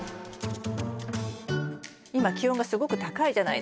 今気温がすごく高いじゃないですか。